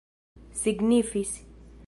signifis